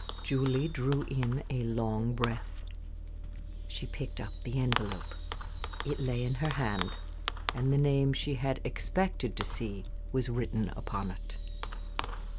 Julie drew a long breath. She picked up the envelope. It lay in her hand, and the name she had expected to see was written upon it.